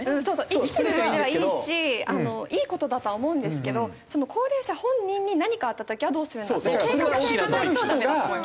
生きてるうちはいいしいい事だとは思うんですけどその高齢者本人に何かあった時はどうするんだっていう計画性がないとダメだと思います。